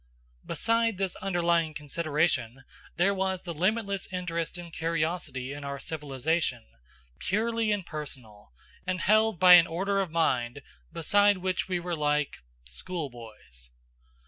Beside this underlying consideration there was the limitless interest and curiosity in our civilization, purely impersonal, and held by an order of mind beside which we were like schoolboys.